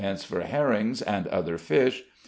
for herrings and other fish, 3d.